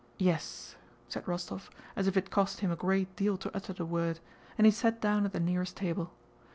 "Yes," said Rostóv as if it cost him a great deal to utter the word; and he sat down at the nearest table.